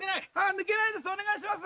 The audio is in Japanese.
お願いします。